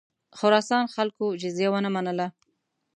خراسان خلکو جزیه ونه منله.